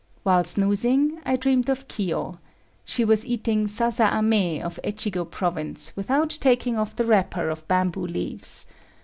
While snoozing, I dreamed of Kiyo. She was eating "sasa ame" of Echigo province without taking off the wrapper of bamboo leaves.